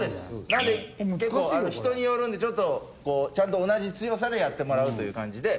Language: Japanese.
なので結構人によるんでちょっとちゃんと同じ強さでやってもらうという感じで。